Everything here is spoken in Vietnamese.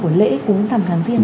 của lễ cúng giảm tháng riêng ạ